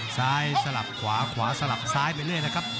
ซ้ายสลับขวาขวาสลับซ้ายไปเลยนะครับ